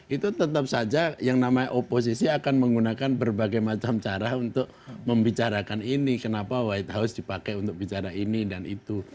itu tetap saja yang namanya oposisi akan menggunakan berbagai macam cara untuk membicarakan ini kenapa white house dipakai untuk bicara ini dan itu